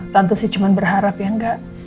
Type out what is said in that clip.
tante sih cuma berharap ya enggak